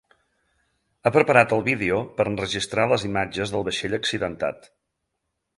Ha preparat el vídeo per enregistrar les imatges del vaixell accidentat.